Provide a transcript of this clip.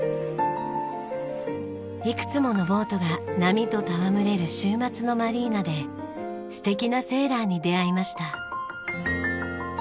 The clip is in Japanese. いくつものボートが波と戯れる週末のマリーナで素敵なセーラーに出会いました。